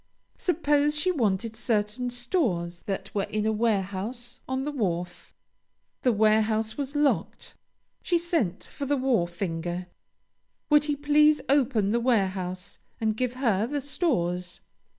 Suppose she wanted certain stores that were in a warehouse on the wharf. The warehouse was locked. She sent for the wharfinger. Would he please open the warehouse and give her the stores?